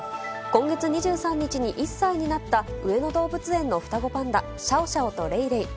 今月２３日に１歳になった上野動物園の双子パンダ、シャオシャオとレイレイ。